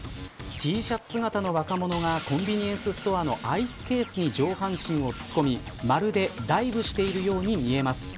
Ｔシャツ姿の若者がコンビニエンスストアのアイスケースに上半身を突っ込みまるでダイブしているように見えます。